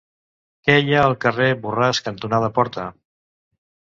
Què hi ha al carrer Borràs cantonada Porta?